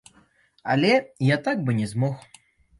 Але я так бы не змог.